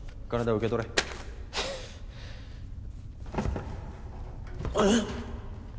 受け取れえっ？